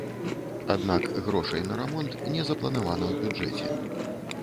Аднак грошай на рамонт не запланавана ў бюджэце.